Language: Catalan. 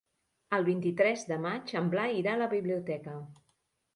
El vint-i-tres de maig en Blai irà a la biblioteca.